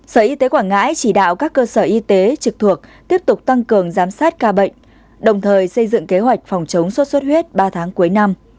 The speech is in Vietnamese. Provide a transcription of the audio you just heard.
sở y tế quảng ngãi chỉ đạo các cơ sở y tế trực thuộc tiếp tục tăng cường giám sát ca bệnh đồng thời xây dựng kế hoạch phòng chống sốt xuất huyết ba tháng cuối năm